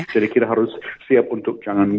jadi kita harus siap untuk